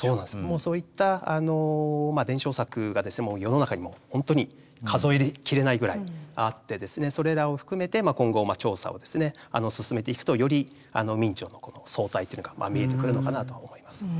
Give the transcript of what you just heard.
もうそういった伝承作がもう世の中にも本当に数えきれないぐらいあってそれらを含めて今後調査を進めていくとより明兆のこの総体というのが見えてくるのかなと思います。